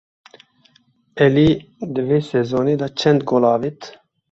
Elî di vê sezonê de çend gol avêt?